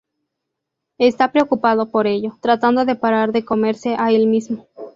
Está preocupado por ello, tratando de parar de "comerse" a el mismo.